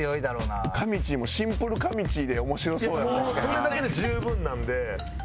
それだけで十分なんで。